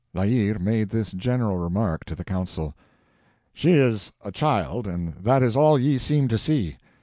La Hire made this general remark to the council: "She is a child, and that is all ye seem to see.